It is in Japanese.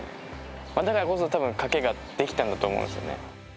だからこそ、たぶんかけが出来たんだと思いますね。